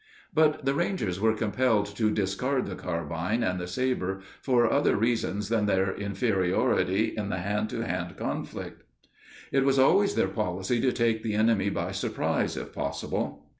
But the Rangers were compelled to discard the carbine and the saber for other reasons than their inferiority in the hand to hand conflict. It was always their policy to take the enemy by surprise if possible.